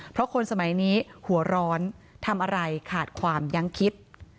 เพราะคนสมัยนี้หัวร้อนทำอะไรขาดความยังคิด